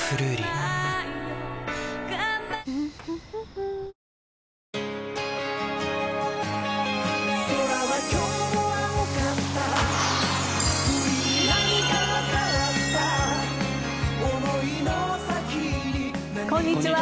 こんにちは。